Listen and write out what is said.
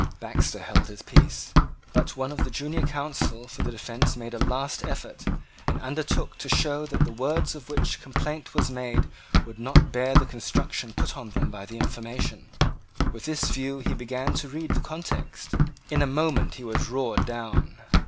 Baxter held his peace. But one of the junior counsel for the defence made a last effort, and undertook to show that the words of which complaint was made would not bear the construction put on them by the information. With this view he began to read the context. In a moment he was roared down.